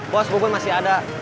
bos bubuk masih ada